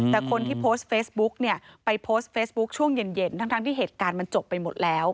แต่คนที่โพสต์เฟซบุ๊กเนี่ยไปโพสต์เฟซบุ๊คช่วงเย็นทั้งที่เหตุการณ์มันจบไปหมดแล้ว